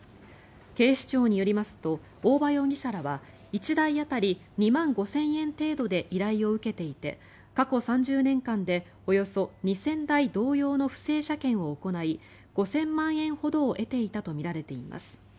警視庁によりますと大庭容疑者らは１台当たり２万５０００円程度で依頼を受けていて過去３０年間でおよそ２０００台同様の不正車検を行い５０００万円ほどを得ていたとみられています。